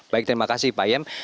baik terima kasih pak iem